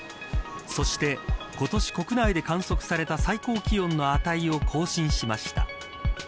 そして、今年国内で観測された最高気温の値を更新しました。